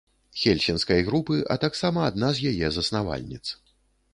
Хельсінскай групы, а таксама адна з яе заснавальніц.